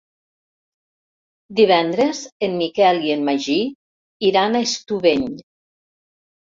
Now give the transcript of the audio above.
Divendres en Miquel i en Magí iran a Estubeny.